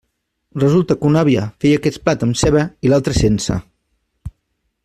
Resulta que una àvia feia aquest plat amb ceba i l'altra sense.